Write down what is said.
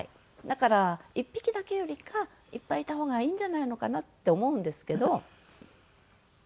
だから１匹だけよりかいっぱいいた方がいいんじゃないのかなって思うんですけどどうでしょうね？